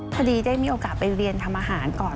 พอดีได้มีโอกาสไปเรียนทำอาหารก่อน